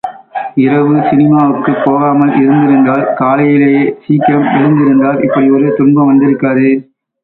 இரவு சினிமாவுக்குப் போகாமல் இருந்திருந்தால், காலையிலே சீக்கிரம் எழுந்திருந்தால், இப்படி ஒரு துன்பம் வந்திருக்காதே!